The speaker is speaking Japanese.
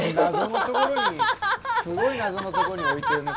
すごい謎のとこに置いてるね